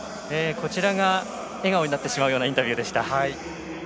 こちらが笑顔になってしまうようなインタビューでした。